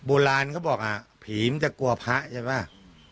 โบราณเขาบอกฝีมันจะกลัวพระใช่ไหม